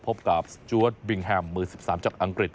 พบกับสจวดบิงแฮมมือ๑๓จากอังกฤษ